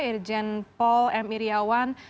irjen paul m iryawan